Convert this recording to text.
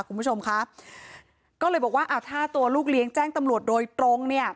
คุณผู้ชมครับก็เลยบอกว่าอ่าถ้าตัวลูกเลี้ยงแจ้งตำรวจโดยตรงเนี่ย